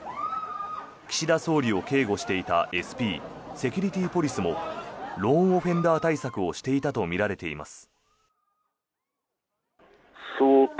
岸田総理を警護していたＳＰ・セキュリティーポリスもローンオフェンダー対策をしていたとみられています。